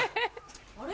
あれ？